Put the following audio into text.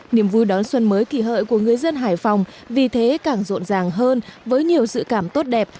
niềm vui đón xuân mới kỳ hợi của người dân hải phòng vì thế càng rộn ràng hơn với nhiều dự cảm tốt đẹp